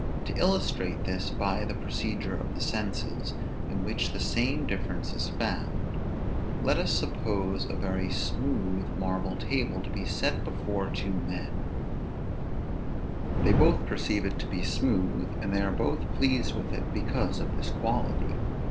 To illustrate this by the procedure of the senses, in which the same difference is found, let us suppose a very smooth marble table to be set before two men; they both perceive it to be smooth, and they are both pleased with it because of this quality.